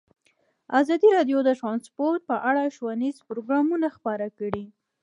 ازادي راډیو د ترانسپورټ په اړه ښوونیز پروګرامونه خپاره کړي.